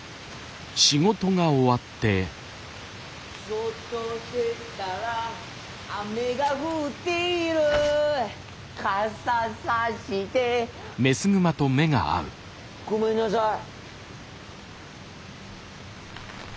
「外出たら雨が降っている」「傘さして」ごめんなさい。